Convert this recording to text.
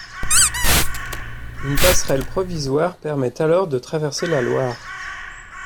Une passerelle provisoire permet alors de traverser la Loire.